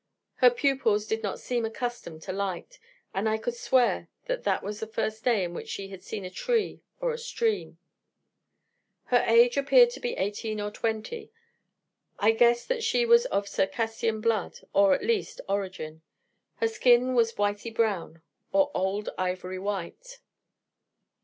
Her pupils did not seem accustomed to light; and I could swear that that was the first day in which she had seen a tree or a stream. Her age appeared eighteen or twenty. I guessed that she was of Circassian blood, or, at least, origin. Her skin was whitey brown, or old ivory white.